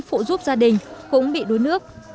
phụ giúp gia đình cũng bị đuối nước